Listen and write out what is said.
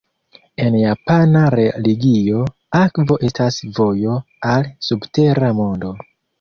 En japana religio, akvo estas vojo al subtera mondo.